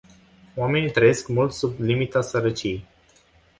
Oamenii trăiesc mult sub limita sărăciei.